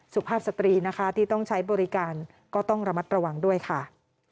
สุภาพสตรีนะคะที่ต้องใช้บริการก็ต้องระมัดระวังด้วยค่ะ